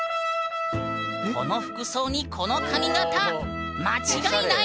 この服装にこの髪型間違いない！